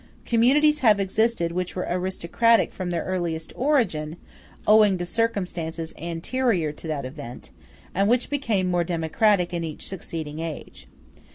Communities have existed which were aristocratic from their earliest origin, owing to circumstances anterior to that event, and which became more democratic in each succeeding age.